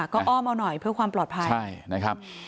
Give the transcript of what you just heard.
ก็อ้อมเอาหน่อยเพื่อความปลอดภัย